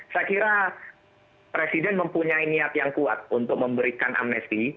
saya kira presiden mempunyai niat yang kuat untuk memberikan amnesti